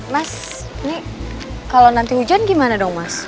mas ini kalau nanti hujan gimana dong mas